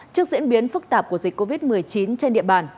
trước diễn biến phức tạp của dịch covid một mươi chín trên địa bàn